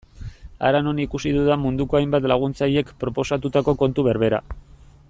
Hara non ikusi dudan munduko hainbat laguntzailek proposatutako kontu berbera.